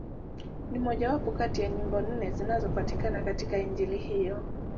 Ni mmojawapo kati ya nyimbo nne zinazopatikana katika Injili hiyo.